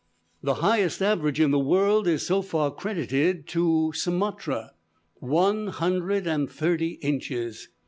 The highest average in the world is so far credited to Sumatra, one hundred and thirty inches.